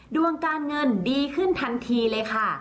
ดวงการเงินดีขึ้นทันทีเลยค่ะ